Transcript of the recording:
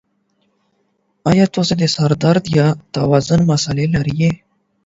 ایا تاسو د سر درد یا توازن مسلې لرئ؟